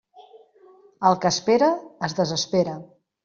El que espera, es desespera.